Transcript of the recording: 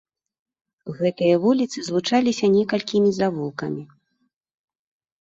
Гэтыя вуліцы злучаліся некалькімі завулкамі.